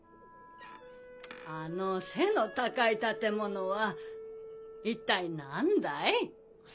あの背の高い建物は一体何だい？